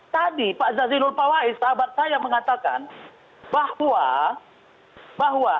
tadi pak zazilul pawai sahabat saya mengatakan bahwa